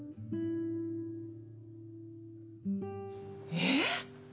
えっ？